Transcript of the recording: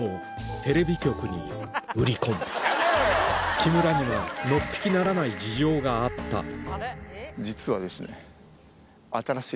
木村にはのっぴきならない事情があったはい。